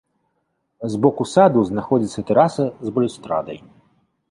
З боку саду знаходзіцца тэраса з балюстрадай.